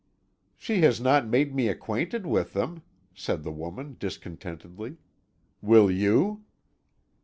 "She has not made me acquainted with them," said the woman discontentedly. "Will you?"